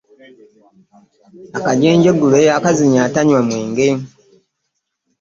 Akajenjugule kazinya atanywa mwenge .